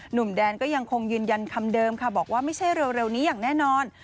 หนุ่มแดนก็ยังคงยืนยันคำเดิมค่ะบอกว่าไม่ใช่เร็วนี้อย่างแน่นอน